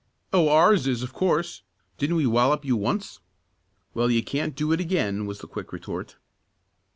"Oh, ours is, of course. Didn't we wallop you once?" "Well, you can't do it again," was the quick retort.